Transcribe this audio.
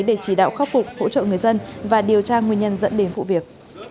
để chỉ đạo khắc phục hỗ trợ người dân và điều tra nguyên nhân dẫn đến vụ việc